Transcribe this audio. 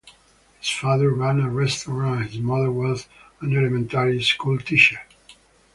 His father ran a restaurant and his mother was an elementary school teacher.